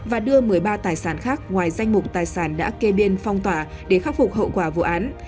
và đưa một mươi ba tài sản khác ngoài danh mục tài sản đã kê biên phong tỏa để khắc phục hậu quả vụ án